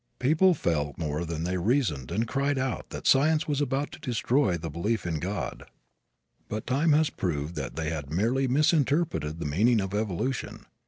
People felt more than they reasoned and cried out that science was about to destroy the belief in God. But time has proved that they had merely misinterpreted the meaning of evolution.